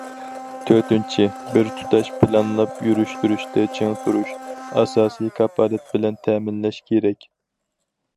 تۆتىنچى، بىر تۇتاش پىلانلاپ يۈرۈشتۈرۈشتە چىڭ تۇرۇش، ئاساسىي كاپالەت بىلەن تەمىنلەش كېرەك.